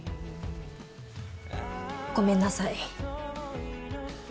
ごめんなさい。